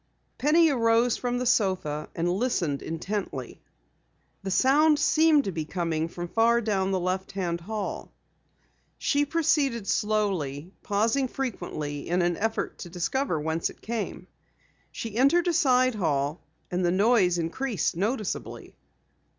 Penny arose from the sofa and listened intently. The sound seemed to be coming from far down the left hand hall. She proceeded slowly, pausing frequently in an effort to discover whence it came. She entered a side hall and the noise increased noticeably.